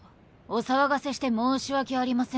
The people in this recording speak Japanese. お騒がせして申し訳ありませんってか？